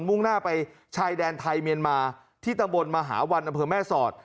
มุ่งหน้าไปชายแดนไทยเมียนมาที่ตำบลมหาวันอำเภอแม่สอด